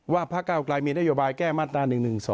พระเก้าไกลมีนโยบายแก้มาตรา๑๑๒